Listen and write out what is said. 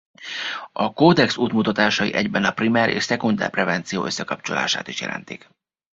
A Kódex útmutatásai egyben a primer és szekunder prevenció összekapcsolását is jelentik.